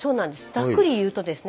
ざっくり言うとですね